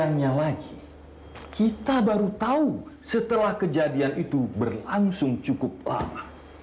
dan sayangnya lagi kita baru tahu setelah kejadian itu berlangsung cukup lama